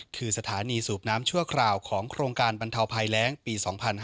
คือสถานีสูบน้ำชั่วคราวของโครงการบรรเทาภัยแรงปี๒๕๕๙